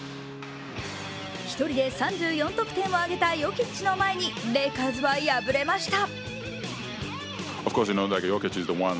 １人で３４得点を挙げたヨキッチの前にレイカーズは敗れました。